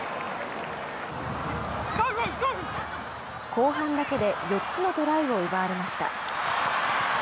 後半だけで４つのトライを奪われました。